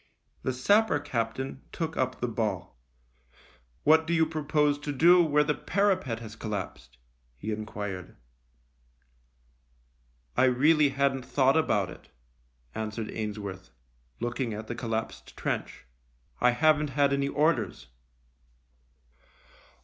The sapper captain took up the ball. " What do you propose to do where the parapet has collapsed ?" he enquired. " I really hadn't thought about it," an swered Ainsworth, looking at the collapsed trench. " I haven't had any orders."